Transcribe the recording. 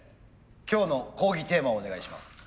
今日の講義テーマをお願いします。